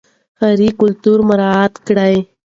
ښاري کلتور مراعات کړئ.